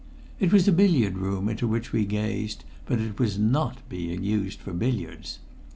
It was a billiard room into which we gazed, but it was not being used for billiards.